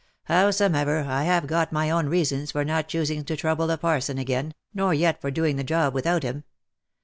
Howsomever, I have got my own reasons for not choosing to trouble the parson again, nor yet for doing the job without him.